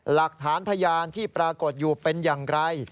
หลักฐานพยานที่ปรากฏอยู่เป็นอย่างไร